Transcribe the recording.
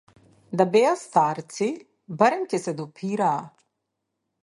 Да беа старци барем ќе се допираа.